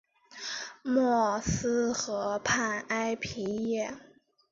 默斯河畔埃皮耶。